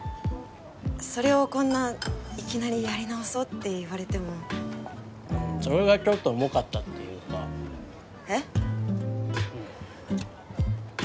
それをこんないきなりやり直そうって言われてもそれがちょっと重かったっていうかえっ？